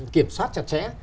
kiểm soát chặt chẽ